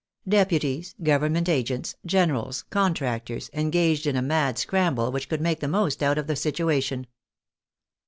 Deputies, Government agents, generals, contractors, engaged in a mad scramble which could make the most out of the situation.